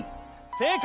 正解！